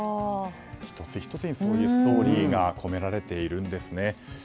１つ１つにそういうストーリーが込められているんですね。